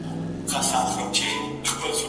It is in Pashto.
غم به د خزان نه وي ته به یې او زه به یم